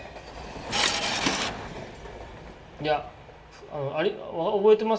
いや覚えてます。